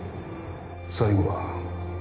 最後は